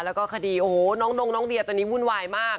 แล้วก็คดีโอ้โหน้องดงน้องเดียตอนนี้วุ่นวายมาก